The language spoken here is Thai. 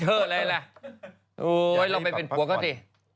โหลองไปเป็นปัวก็ดิ